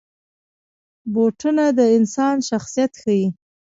بوټونه د انسان شخصیت ښيي.